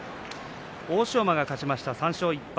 欧勝馬が勝ちました、３勝１敗。